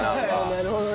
なるほどね。